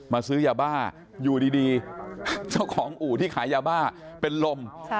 ซื้อยาบ้าอยู่ดีเจ้าของอู่ที่ขายยาบ้าเป็นลม